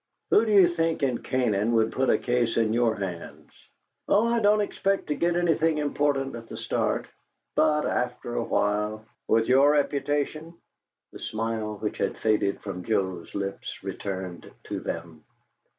"Who do you think in Canaan would put a case in your hands?" "Oh, I don't expect to get anything important at the start. But after a while " "With your reputation?" The smile which had faded from Joe's lips returned to them.